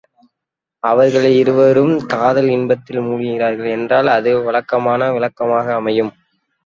அவர்கள் இருவரும் காதல் இன்பத்தில் மூழ்கினார்கள் என்றால் அது வழக்கமான விளக்கமாக அமையும்.